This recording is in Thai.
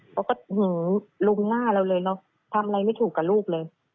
เขาก็หือลงหน้าเราเลยเนอะทำอะไรไม่ถูกกับลูกเลย